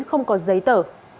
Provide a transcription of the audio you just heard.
không có giấy tở